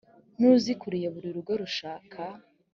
n uzikuriye buri rugo rushaka